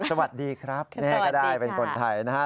สวัสดีครับแม่ก็ได้เป็นคนไทยนะฮะ